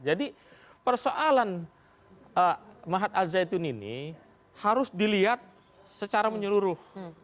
jadi persoalan mahat alzeitun ini harus dilihat secara menyeluruh